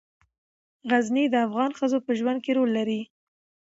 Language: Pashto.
غزني د افغان ښځو په ژوند کې رول لري.